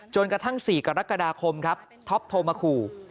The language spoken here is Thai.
จนกระทั่ง๔กรกฎาคมครับท็อปโทรมาขู่